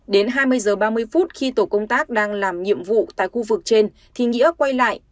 đến hai mươi h ba mươi phút khi tổ công tác đang làm nhiệm vụ tại khu vực trên thì nghĩa quay lại